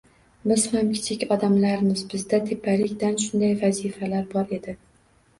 Biz ham kichik odamlarmiz, bizda "tepalik" dan shunday vazifa bor edi